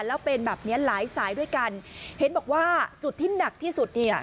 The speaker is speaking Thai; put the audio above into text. แล้วเป็นแบบเนี้ยหลายสายด้วยกันเห็นบอกว่าจุดที่หนักที่สุดเนี่ย